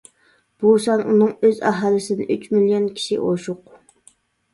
بۇ سان ئۇنىڭ ئۆز ئاھالىسىدىن ئۈچ مىليون كىشى ئوشۇق.